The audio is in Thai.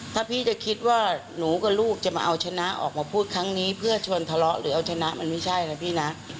ถ้าพี่จะคิดว่าหนูกับลูกจะมาเอาชนะออกมาพูดครั้งนี้เพื่อชวนทะเลาะหรือเอาชนะมันไม่ใช่นะพี่นะ